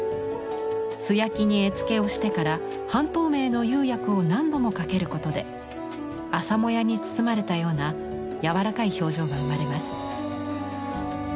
素焼きに絵付けをしてから半透明の釉薬を何度もかけることで朝もやに包まれたような柔らかい表情が生まれます。